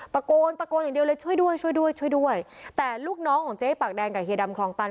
ตะโกนตะโกนอย่างเดียวเลยช่วยด้วยช่วยด้วยช่วยด้วยแต่ลูกน้องของเจ๊ปากแดงกับเฮียดำคลองตัน